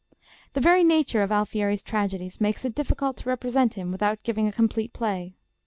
The very nature of Alfieri's tragedies makes it difficult to represent him without giving a complete play.